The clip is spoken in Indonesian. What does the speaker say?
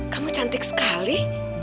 kamu cantik sekali